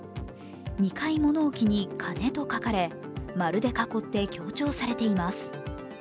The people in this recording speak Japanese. ２階物置に金と書かれ、○で囲って強調されています。